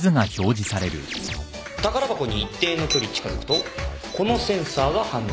宝箱に一定の距離近づくとこのセンサーが反応します。